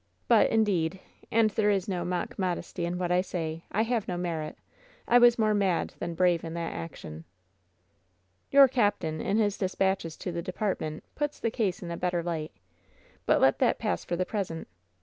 But, indeed — and there is no mock modesty in what I say — I have no merit. I was more mad than brave in that action." "Your captain, in his dispatches to the department, puts the case in a better light. But let that pass for the present.